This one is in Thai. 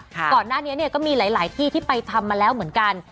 ก่อนหน้านี้เนี่ยก็มีหลายที่ที่ไปทำมาแล้วเหมือนกัน